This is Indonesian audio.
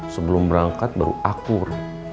sebelum berangkat baru akur